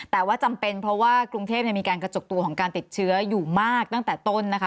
แต่ว่าจำเป็นเพราะว่ากรุงเทพมีการกระจกตัวของการติดเชื้ออยู่มากตั้งแต่ต้นนะคะ